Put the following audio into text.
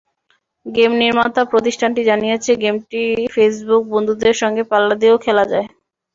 Game নির্মাতা প্রতিষ্ঠানটি জানিয়েছে, গেমটি ফেসবুক বন্ধুদের সঙ্গে পাল্লা দিয়েও খেলা যায়।